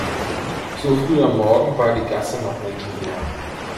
So früh am Morgen war die Gasse noch menschenleer.